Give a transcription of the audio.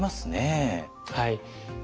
はい。